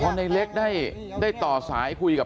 นี่ฮะ